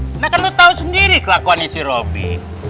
nggak kan lo tau sendiri kelakuan isi robi